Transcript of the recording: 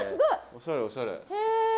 おしゃれおしゃれ。